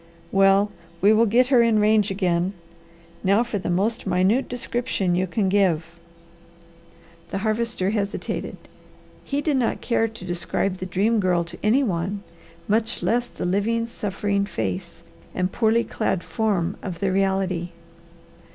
"Well we will get her in range again. Now for the most minute description you can give." The Harvester hesitated. He did not care to describe the Dream Girl to any one, much less the living, suffering face and poorly clad form of the reality.